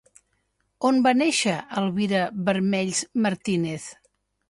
On va néixer Elvira Bermells Martínez?